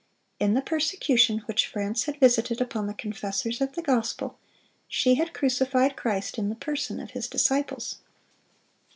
In the persecution which France had visited upon the confessors of the gospel, she had crucified Christ in the person of His disciples.